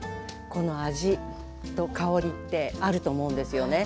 この味と香りってあると思うんですよね。